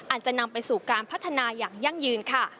อาจจะนำไปสู่การพัฒนาอย่างยั่งยืนค่ะ